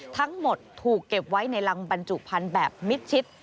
ทั้งหมดถูกเก็บไว้ในรังบรรจุพันธุ์แบบมิดชิด